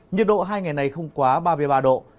nhiệt độ hai ngày này không quá ba mươi ba độ